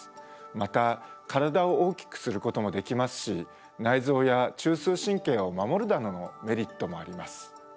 また体を大きくすることもできますし内臓や中枢神経を守るなどのメリットもあります。